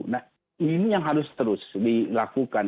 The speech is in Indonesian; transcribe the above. nah ini yang harus terus dilakukan